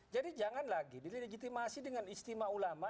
jadi jangan lagi dilegitimasi dengan istilah ulama